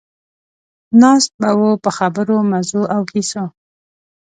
ناست به وو په خبرو، مزو او کیسو.